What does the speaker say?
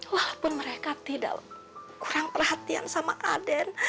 walaupun mereka tidak kurang perhatian sama aden